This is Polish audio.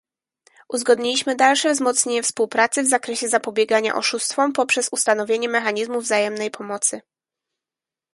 Uzgodniliśmy dalsze wzmocnienie współpracy w zakresie zapobiegania oszustwom poprzez ustanowienie mechanizmu wzajemnej pomocy